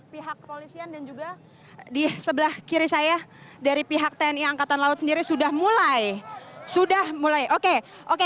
pihak kepolisian dan juga di sebelah kiri saya dari pihak tni angkatan laut sendiri sudah mulai sudah mulai oke oke